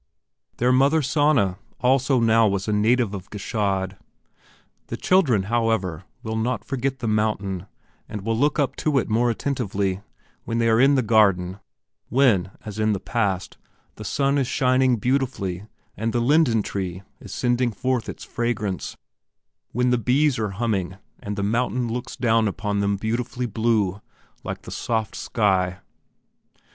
Their mother Sanna also now was a native of Gschaid. The children, however, will not forget the mountain and will look up to it more attentively, when they are in the garden; when, as in the past, the sun is shining beautifully and the linden tree is sending forth its fragrance, when the bees are humming and the mountain looks down upon them beautifully blue, like the soft sky.